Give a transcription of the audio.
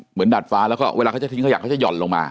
ดัดฟ้าแล้วก็เวลาเขาจะทิ้งขยะเขาจะห่อนลงมา